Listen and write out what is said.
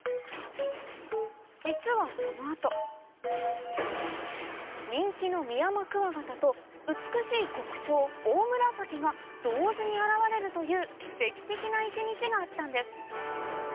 実は人気のミヤマクワガタと美しい国蝶オオムラサキが同時に現れるという奇跡的な一日があったんです